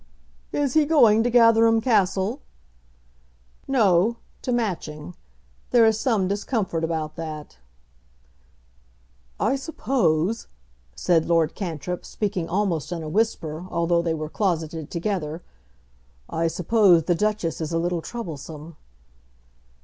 "Is he going to Gatherum Castle?" "No; to Matching. There is some discomfort about that." "I suppose," said Lord Cantrip, speaking almost in a whisper, although they were closeted together, "I suppose the Duchess is a little troublesome."